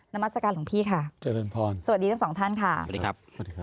นามัสกาลของพี่ค่ะสวัสดีทั้งสองท่านค่ะสวัสดีครับสวัสดีครับ